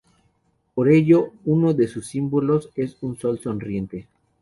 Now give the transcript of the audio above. Por ello uno de sus símbolos es un sol sonriente.